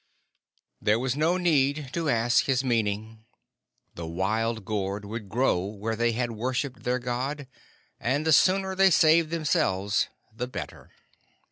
There was no need to ask his meaning. The wild gourd would grow where they had worshiped their God, and the sooner they saved themselves the better.